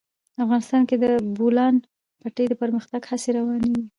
افغانستان کې د د بولان پټي د پرمختګ هڅې روانې دي.